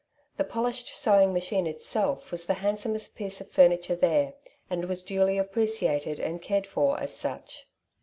The polished sewing machine itself was the hand somest piece of furniture there, and was duly appre ciated and cared for as such.